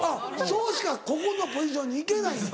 そうしかここのポジションにいけないねん。